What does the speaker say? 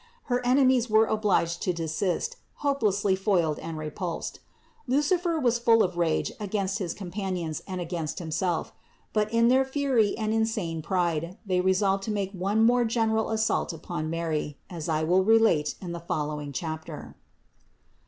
Her enemies were obliged to desist, hopelessly foiled and repulsed. Lucifer was full of rage against his companions and against himself. But in their fury and insane pride, they resolved to make one more general assault upon Mary, as I will relate in the following chapter.